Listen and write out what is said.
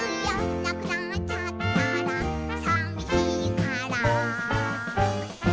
「なくなっちゃったらさみしいから」